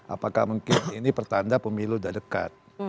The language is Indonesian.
apakah mungkin ini pertanda pemilu sudah dekat